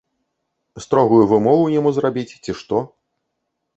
Строгую вымову яму зрабіць ці што?